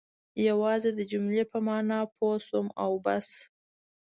یوازې د جملې په معنا پوه شوم او بس.